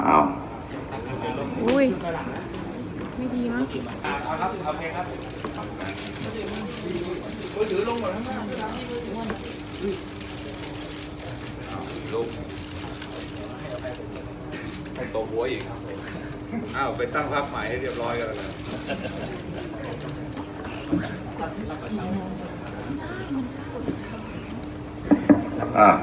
อ้าวครับครับครับ